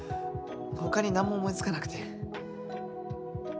他に何も思い付かなくて。